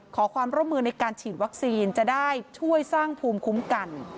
ขอความร่วมมือในการฉีดวัคซีนจะได้ช่วยสร้างภูมิคุ้มกัน